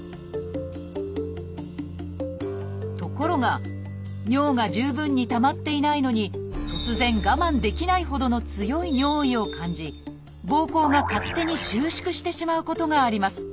ところが尿が十分にたまっていないのに突然我慢できないほどの強い尿意を感じぼうこうが勝手に収縮してしまうことがあります。